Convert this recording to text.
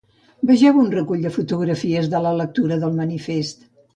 Vegeu un recull de fotografies de la lectura del manifest.